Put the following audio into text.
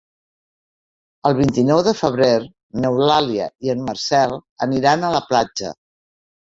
El vint-i-nou de febrer n'Eulàlia i en Marcel aniran a la platja.